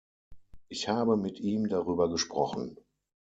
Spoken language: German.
Ich habe mit ihm darüber gesprochen.